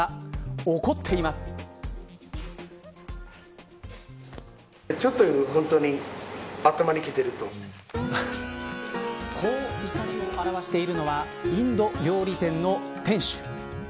この結果にこう怒りを表しているのはインド料理店の店主。